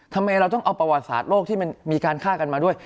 ทำไมเราต้องเอาประวัติศาสตร์โลกที่มันมีการฆ่ากันมาด้วย